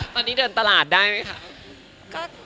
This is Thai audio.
ตอนนี้เดินตลาดได้ไหมคะ